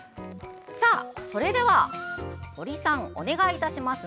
それでは、堀さんお願いします。